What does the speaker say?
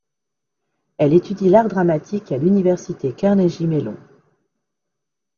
Elle étudie l'art dramatique à l'Université Carnegie-Mellon.